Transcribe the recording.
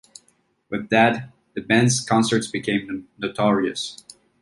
With Dead, the band's concerts became notorious.